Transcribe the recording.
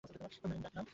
ম্যারির ডাক নাম।